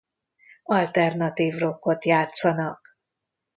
Alternatív rockot játszanak.